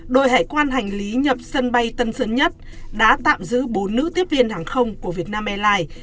đội hải quan hành lý nhập sân bay tân sơn nhất đã tạm giữ bốn nữ tiếp viên hàng không của vietnam airlines